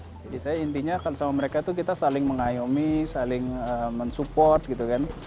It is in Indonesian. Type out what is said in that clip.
saya intinya kan sama mereka itu kita saling mengayomi saling mensupport gitu kan